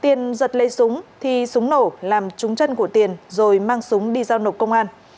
tiền giật lấy súng thì súng nổ làm trúng chân của tiền rồi mang súng đi giao nổ công an